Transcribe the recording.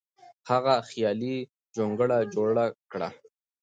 هغه خیالي جونګړه جوړه کړه.